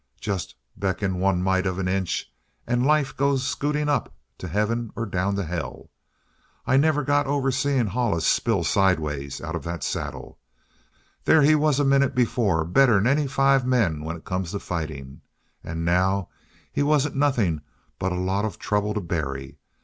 Just beckon one mite of an inch and a life goes scooting up to heaven or down to hell. I never got over seeing Hollis spill sidewise out of that saddle. There he was a minute before better'n any five men when it come to fighting. And now he wasn't nothing but a lot of trouble to bury.